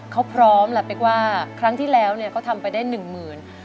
เขาพร้อมแหละเป๊กว่าครั้งที่แล้วเนี่ยเขาทำไปได้หนึ่งหมื่น